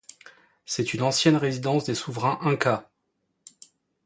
C'est une ancienne résidence des souverains incas.